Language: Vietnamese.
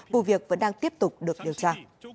vụ việc vẫn đang tiếp tục được điều tra